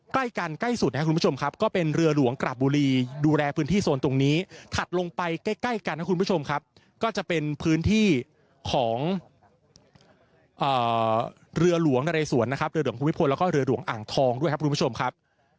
ใกล้กันใกล้สุดนะครับคุณผู้ชมครับก็เป็นเรือหลวงกระบุรีดูแลพื้นที่โซนตรงนี้ถัดลงไปใกล้ใกล้กันนะคุณผู้ชมครับก็จะเป็นพื้นที่ของเรือหลวงนเรสวนนะครับเรือหลวงภูมิพลแล้วก็เรือหลวงอ่างทองด้วยครับคุณผู้ชมครับ